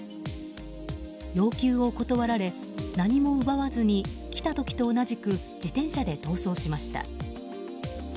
要求を断られ、何も奪わずに来た時と同じく自転車で逃走しました。